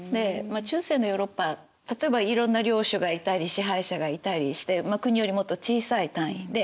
中世のヨーロッパ例えばいろんな領主がいたり支配者がいたりして国よりもっと小さい単位で。